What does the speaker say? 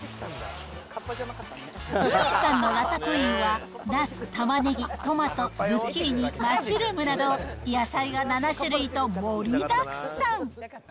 ジュリーさんのラタトゥイユは、なす、たまねぎ、トマト、ズッキーニ、マッシュルームなど、野菜が７種類と盛りだくさん。